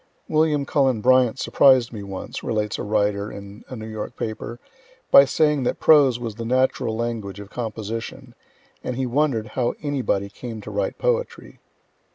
"William Cullen Bryant surprised me once," relates a writer in a New York paper, "by saying that prose was the natural language of composition, and he wonder'd how anybody came to write poetry."